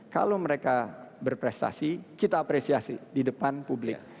kalau mereka berprestasi kita apresiasi di depan publik